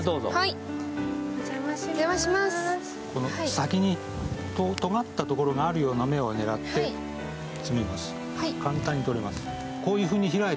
この先にとがったところのあるような芽を狙って、取ります。